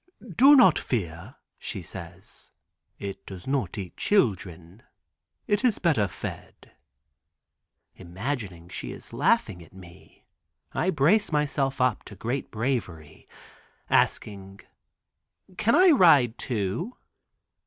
"Do not fear," she says, "it does not eat children, it is better fed." Imagining she is laughing at me I brace up to great bravery, asking, "Can I ride, too?"